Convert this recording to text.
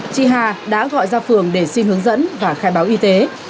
chị hà đã gọi ra phường để xin hướng dẫn và khai báo y tế